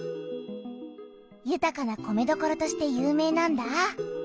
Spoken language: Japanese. ゆたかな米どころとして有名なんだ。